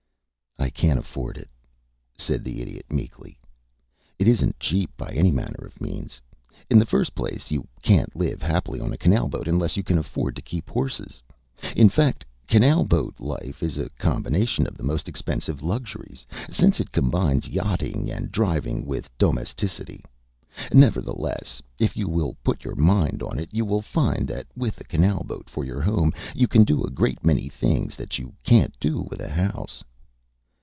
"I can't afford it," said the Idiot, meekly. "It isn't cheap by any manner of means. In the first place, you can't live happily on a canal boat unless you can afford to keep horses. In fact, canal boat life is a combination of the most expensive luxuries, since it combines yachting and driving with domesticity. Nevertheless, if you will put your mind on it, you will find that with a canal boat for your home you can do a great many things that you can't do with a house."